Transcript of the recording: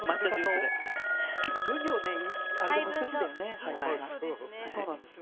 分量が難しいんだよね。